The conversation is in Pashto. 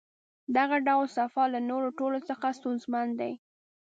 دغه ډول سفر له نورو ټولو څخه ستونزمن دی.